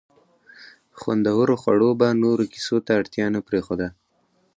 خوندورو خوړو به نورو کیسو ته اړتیا نه پرېښوده.